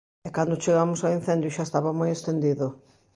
E cando chegamos ao incendio xa estaba moi estendido.